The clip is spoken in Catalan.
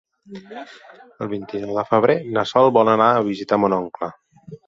El vint-i-nou de febrer na Sol vol anar a visitar mon oncle.